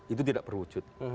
itu tidak berwujud